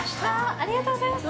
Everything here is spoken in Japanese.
ありがとうございます。